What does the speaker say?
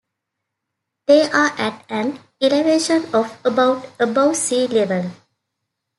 They are at an elevation of about above sea level.